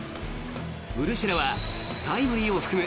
ウルシェラはタイムリーを含む